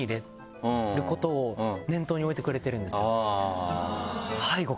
置いてくれてるんですよ。